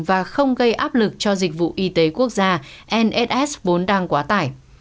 và không gây áp lực cho dịch vụ y tế quốc gia nss vốn đang quá tải